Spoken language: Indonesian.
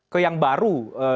ke yang baru